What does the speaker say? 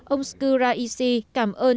ông skura ishi cảm ơn